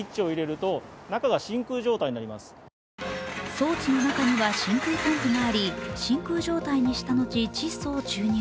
装置の中には真空ポンプがあり真空状態にした後、窒素を注入。